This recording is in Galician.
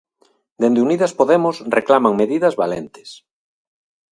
Dende Unidas Podemos reclaman medidas valentes.